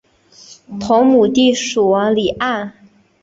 同母弟蜀王李愔。